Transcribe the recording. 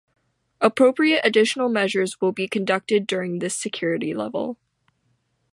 Appropriate additional measures will be conducted during this security level.